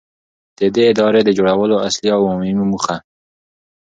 ، د دې ادارې د جوړولو اصلي او عمومي موخه.